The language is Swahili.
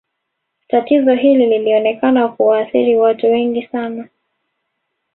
Tatizo hili lilionekana kuwaathiri watu wengi sana